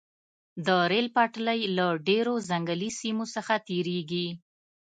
د ریل پټلۍ له ډیرو ځنګلي سیمو څخه تیریږي